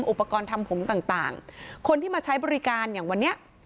อุปกรณ์ทำผมต่างต่างคนที่มาใช้บริการอย่างวันนี้